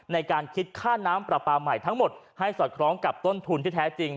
ในการคิดค่าน้ำปลาปลาใหม่ทั้งหมดให้สอดคล้องกับต้นทุนที่แท้จริง